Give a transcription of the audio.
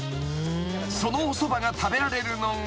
［そのおそばが食べられるのが］